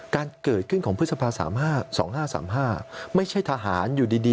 การเกิดขึ้นของพฤษภา๓๒๕๓๕ไม่ใช่ทหารอยู่ดี